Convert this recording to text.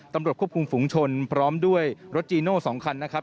ตำรวจควบคุมฝุงชนพร้อมด้วยรถจีโน่๒คันนะครับ